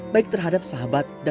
baik terhadap sahabat dan lingkungan